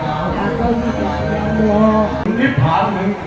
วันนี้ข้อมูลต้องเป็นแห่งสังคมธรรมงบ